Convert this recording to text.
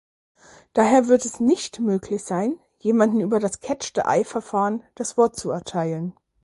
Daher wird es nicht möglich sein, jemandem über das "Catch-the-eye"Verfahren das Wort zu erteilen.